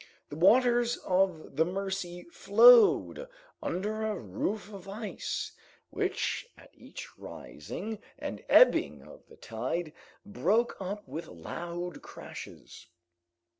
The waters of the Mercy flowed under a roof of ice, which, at each rising and ebbing of the tide, broke up with loud crashes.